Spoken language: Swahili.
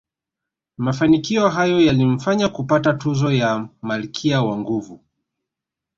Mafanikio hayo yalimfanya kupata tuzo ya malkia wa nguvu